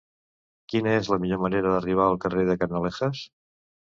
Quina és la millor manera d'arribar al carrer de Canalejas?